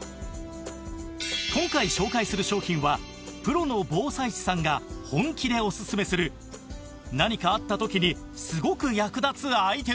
今回紹介する商品はプロの防災士さんが本気でオススメする何かあった時にすごく役立つアイテムです